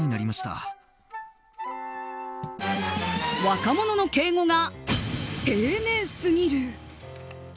若者の敬語が丁寧すぎる！